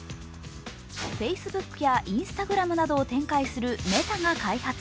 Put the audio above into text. ＦａｃｅｂｏｏｋやＩｎｓｔａｇｒａｍなどを展開するメタが開発。